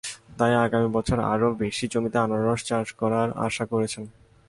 তাই আগামী বছর আরও বেশি জমিতে আনারস চাষ করার আশা করেছেন।